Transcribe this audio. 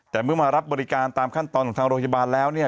แต่เมื่อมารับบริการตามขั้นตอนของทางโรงพยาบาลแล้วเนี่ย